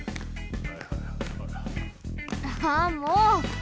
ああもう！